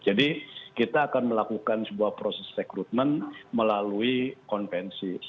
jadi kita akan melakukan sebuah proses recruitment melalui konvensi